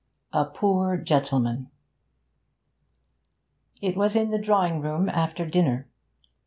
A POOR GENTLEMAN It was in the drawing room, after dinner.